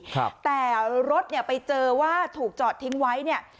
ครับแต่รถเนี่ยไปเจอว่าถูกจอดทิ้งไว้เนี่ย